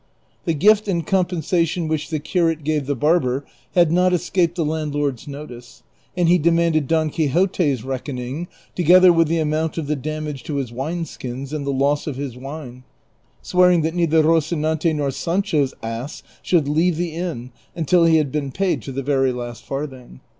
The gift and compensation which the curate gave the barber had not escaped the landlord's notice, and he demanded Don Qui xote's reckoning, together with the amount of the damage to his wine skins, and the loss of his wine, swearing that neither Eocinante nor Sancho's ass should leave the inn until he had been paid to the very last farthing.